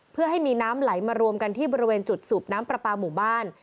เพื่อให้มีน้ำไหลมารวมกันที่บริเวณจุดสูบน้ำปลาปลาหมู่บ้าน